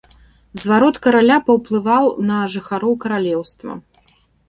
Зварот караля паўплывала і на жыхароў каралеўства.